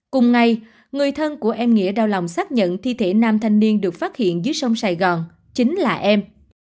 cùng ngày người thân của em nghĩa đau lòng xác nhận thi thể nam thanh niên được phát hiện dưới sông sài gòn chính là em